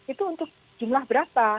itu untuk jumlah berapa